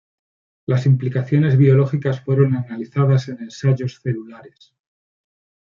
Las implicaciones biológicas fueron analizadas en ensayos celulares.